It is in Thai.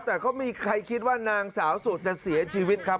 แต่ก็ไม่มีใครคิดว่านางสาวสุจะเสียชีวิตครับ